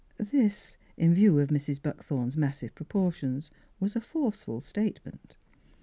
" This, in view of Mrs. Buckthorn's mas sive proportions, was a forceful state ment.